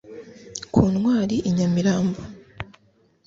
ku ntwali i nyamirambo